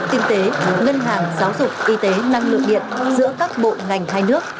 kinh tế ngân hàng giáo dục y tế năng lượng điện giữa các bộ ngành hai nước